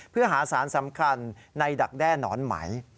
เพื่อหาสารสำคัญในดักแด้หนอนไหม